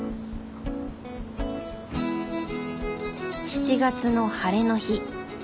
７月の晴れの日。